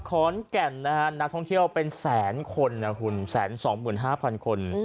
ขอนแก่นนักท่องเที่ยวเป็นแสนคนแสน๒๕๐๐๐คน